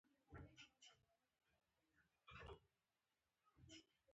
انګلیسي او فرانسوي دواړه مهمې دي.